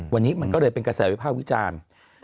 วันนี้มันก็เลยเป็นกระแสวิภาควิจารณ์